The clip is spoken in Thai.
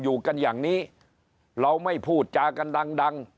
อยู่กันอย่างนี้เราไม่พูดจากันดังดัง